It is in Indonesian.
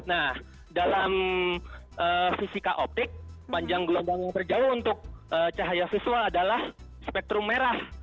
nah dalam fisika optik panjang gelombang yang terjauh untuk cahaya visual adalah spektrum merah